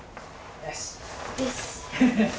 よし！